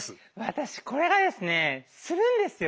私これがですねするんですよ。